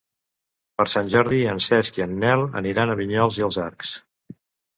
Per Sant Jordi en Cesc i en Nel aniran a Vinyols i els Arcs.